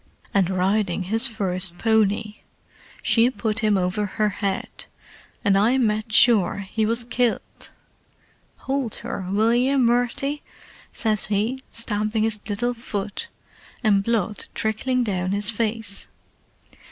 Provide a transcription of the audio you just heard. "And riding his first pony. She put him over her head, and I med sure he was kilt. 'Howld her, will ye, Murty,' says he, stamping his little fut, and blood trickling down his face.